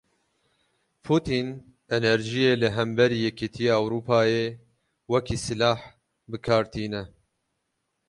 Putîn, enerjiyê li hemberî Yekîtiya Ewropayê wekî sîleh bi kar tîne.